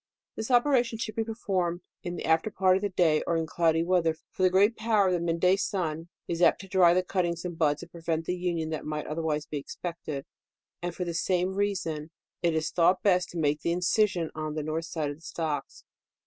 "This operation should be performed in the DEOfcMBER. 20S Alter part of the day, or in cloudy weather, for the great power of the mid day sun is apt to dry the cuttings and buds, and prevent the union that might otherways be expected ; and for the same reason it is thought best to make the incision on the norlh side of the stocks.